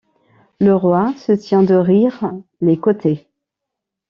Le roi se tient de rire les côtés!